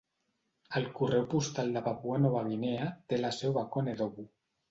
El Correu postal de Papua Nova Guinea té la seu a Konedobu.